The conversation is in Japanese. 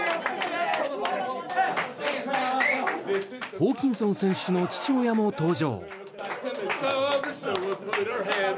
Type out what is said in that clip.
ホーキンソン選手の父親も登場。